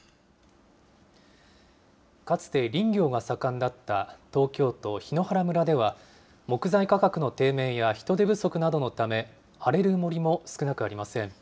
かつて林業が盛んだった東京都檜原村では、木材価格の低迷や人手不足などのため、荒れる森も少なくありません。